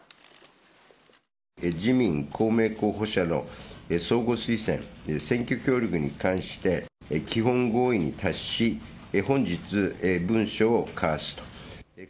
自民、公明候補者の相互推薦、選挙協力に関して、基本合意に達し、本日、文書を交わすと。